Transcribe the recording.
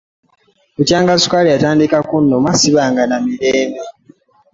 Bukya ssukaali atandika kunnuma ssibanga na mirembe.